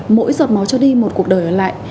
mỗi giọt máu cho đi một cuộc đời ở lại